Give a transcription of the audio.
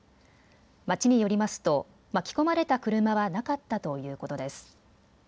町によりますと巻き込まれた車はなかったということです。